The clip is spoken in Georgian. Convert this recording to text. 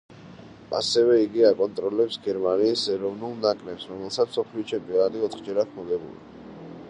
ასევე იგი აკონტროლებს გერმანიის ეროვნულ ნაკრებს, რომელსაც მსოფლიო ჩემპიონატი ოთხჯერ აქვს მოგებული.